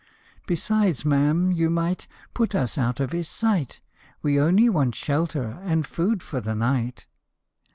Besides, ma'am, you might Put us out of his sight ; We only want shelter and food for the night.